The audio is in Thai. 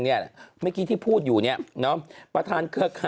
เมื่อกี้ที่พูดอยู่ประธานเกษฐรรณลงค์